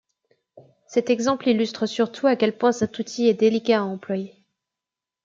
Cet exemple illustre surtout à quel point cet outil est délicat à employer.